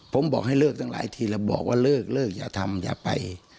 ผมบอกให้เลิกตั้งหลายทีแล้วบอกว่าเลิกเลิกอย่าทำอย่าไป